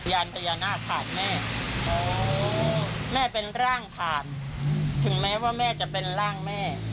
ยานพญานาคผ่านแม่แม่เป็นร่างผ่านถึงแม้ว่าแม่จะเป็นร่างแม่